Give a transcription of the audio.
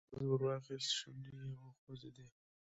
یو کاغذ ور واخیست، شونډې یې وخوځېدې.